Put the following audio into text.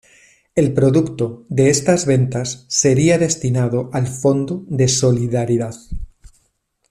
El producto de estas ventas sería destinado al Fondo de Solidaridad.